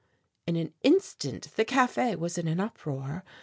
In an instant the café was in an uproar.